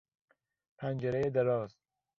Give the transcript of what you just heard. پنجرهی دراز